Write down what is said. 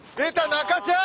中ちゃん！